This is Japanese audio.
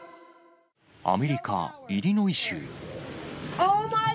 アメリカ・イリノイ州。